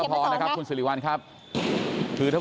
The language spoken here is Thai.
ฝากตรงหน้าแบบดินแดรกะครุ่มเก็บเหมือนของคะ